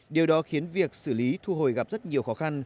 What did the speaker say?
điều đó khiến việc xử lý thu hồi gặp rất nhiều khó khăn